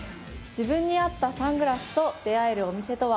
自分に合ったサングラスと出会えるお店とは？